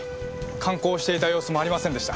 観光していた様子もありませんでした。